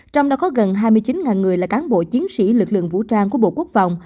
trong đó có gần hai mươi chín người là cán bộ chiến sĩ lực lượng vũ trang của bộ quốc phòng